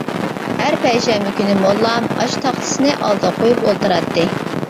ھەر پەيشەنبە كۈنى موللام ئاشۇ تاختىسىنى ئالدىغا قويۇپ ئولتۇراتتى.